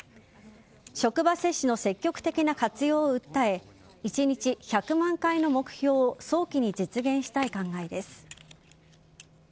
職場接種の積極的な活用を訴え一日１００万回の目標を早期に実現したい考えです。